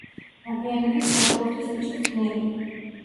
მოგვიანებით ფეხბურთის მწვრთნელი.